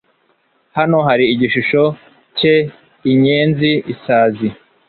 Hano hari igishusho cyeinyenziisazi